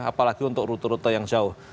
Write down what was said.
apalagi untuk rute rute yang jauh